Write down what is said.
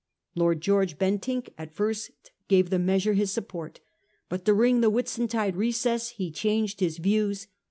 Lord George Bentinek at first gave the measure his support; hut during the Whitsuntide recess he changed his views.